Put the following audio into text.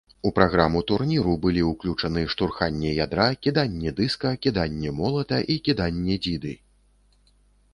У праграму турніру былі ўключаны штурханне ядра, кіданне дыска, кіданне молата і кіданне дзіды.